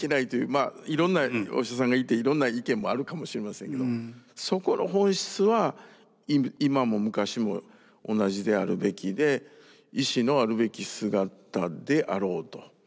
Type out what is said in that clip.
まあいろんなお医者さんがいていろんな意見もあるかもしれませんけどそこの本質は今も昔も同じであるべきで医師のあるべき姿であろうと。